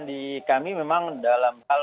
di kami memang dalam hal